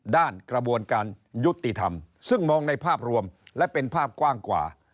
กระบวนการยุติธรรมซึ่งมองในภาพรวมและเป็นภาพกว้างกว่า